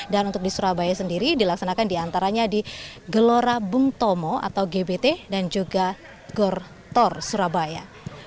dan untuk di surabaya sendiri dilaksanakan di antaranya di gelora bung tomo atau gbt dan juga gor tor surabaya